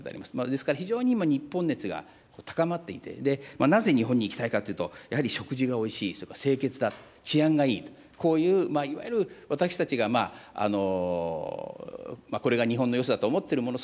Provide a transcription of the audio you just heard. ですから、非常に今、日本熱が高まっていて、なぜ日本に行きたいかっていうと、やはり食事がおいしい、それから清潔だ、治安がいいと、こういう、いわゆる私たちがまあ、これが日本のよさだと思っているもの